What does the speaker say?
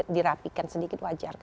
dirapikan sedikit wajar